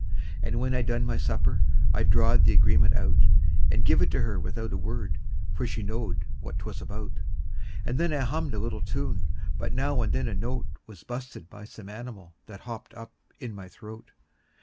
And when I'd done my supper I drawed the agreement out, And give it to her without a word, for she knowed what 'twas about; And then I hummed a little tune, but now and then a note Was bu'sted by some animal that hopped up in my throat.